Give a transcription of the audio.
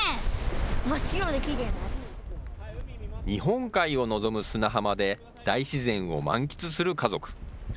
日本海を臨む砂浜で大自然を満喫する家族。